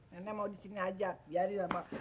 nenek mau di sini aja biarin